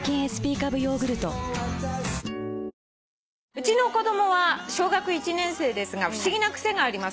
「うちの子供は小学１年生ですが不思議な癖があります」